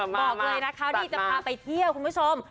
บอกเลยนะคะนี่จะพาไปเที่ยวคุณผู้ชม